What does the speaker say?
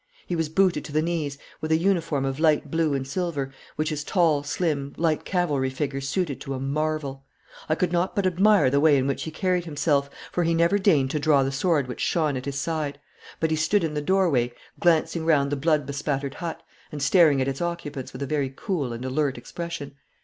He was booted to the knees, with a uniform of light blue and silver, which his tall, slim, light cavalry figure suited to a marvel. I could not but admire the way in which he carried himself, for he never deigned to draw the sword which shone at his side, but he stood in the doorway glancing round the blood bespattered hut, and staring at its occupants with a very cool and alert expression.